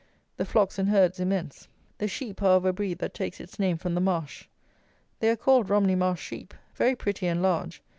The flocks and herds immense. The sheep are of a breed that takes its name from the marsh. They are called Romney Marsh sheep. Very pretty and large.